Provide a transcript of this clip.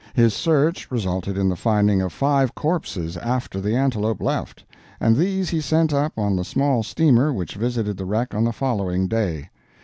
His search resulted in the finding of five corpses after the Antelope left, and these he sent up on the small steamer which visited the wreck on the following day.